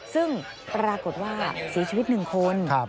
ซึ่งปรากฏว่าเสียชีวิต๑คน